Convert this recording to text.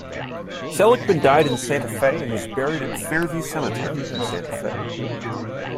Seligman died in Santa Fe, and was buried at Fairview Cemetery in Santa Fe.